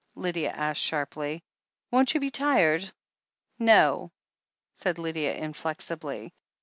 Lydia asked sharply. 'Won't you be tired?" 'No," said Lydia inflexibly.